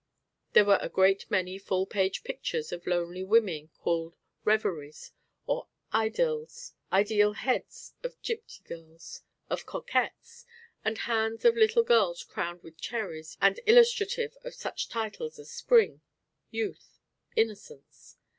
There were a great many full page pictures of lonely women, called "Reveries" or "Idylls," ideal "Heads" of gipsy girls, of coquettes, and heads of little girls crowned with cherries and illustrative of such titles as "Spring," "Youth," "Innocence."